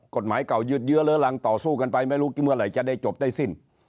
กฎหมายเก่ายืดเยื้อเลอรังต่อสู้กันไปไม่รู้เมื่อไหร่จะได้จบได้สิ้น